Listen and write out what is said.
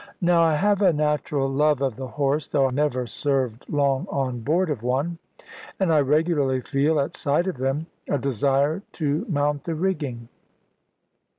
Now I have a natural love of the horse, though I never served long on board of one; and I regularly feel, at sight of them, a desire to mount the rigging.